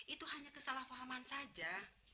itu hanya kesalahpahaman saja